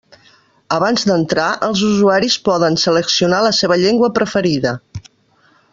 Abans d'entrar, els usuaris poden seleccionar la seva llengua preferida.